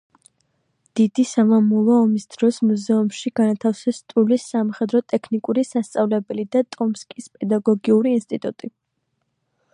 დიდი სამამულო ომის დროს მუზეუმში განათავსეს ტულის სამხედრო-ტექნიკური სასწავლებელი და ტომსკის პედაგოგიური ინსტიტუტი.